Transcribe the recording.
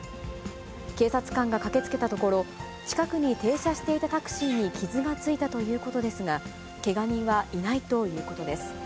警察官が駆けつけたところ、近くに停車していたタクシーに傷がついたということですが、けが人はいないということです。